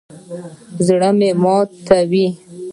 زړه مه ماتوئ